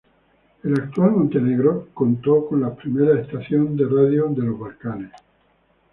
La actual Montenegro contó con la primera estación de radio de los Balcanes.